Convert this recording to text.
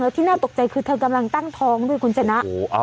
ที่น่าตกใจคือเธอกำลังตั้งท้องด้วยคุณชนะ